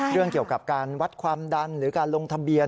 เรื่องเกี่ยวกับการวัดความดันหรือการลงทะเบียน